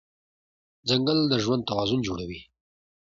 ځنګل د ژوند توازن جوړوي.